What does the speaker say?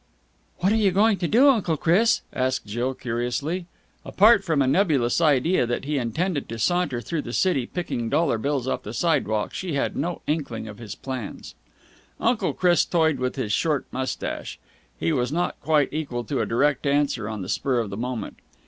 "What are you going to do, Uncle Chris?" asked Jill curiously. Apart from a nebulous idea that he intended to saunter through the city picking dollar bills off the sidewalk, she had no inkling of his plans. Uncle Chris toyed with his short moustache. He was not quite equal to a direct answer on the spur of the moment.